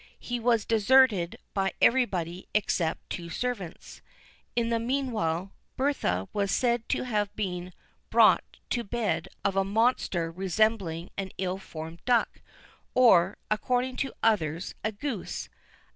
He was deserted by everybody except two servants. In the meanwhile, Bertha was said to have been brought to bed of a monster resembling an ill formed duck, or, according to others, a goose.